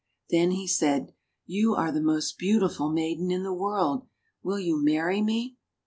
Then he said, "You are the most beautiful maiden in the world. Will you marry me